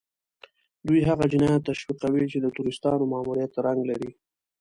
دوی هغه جنايات تشويقوي چې د تروريستانو ماموريت رنګ لري.